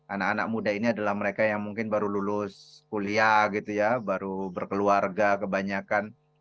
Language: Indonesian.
anak anak muda ini adalah mereka yang mungkin baru lulus kuliah gitu ya baru berkeluarga kebanyakan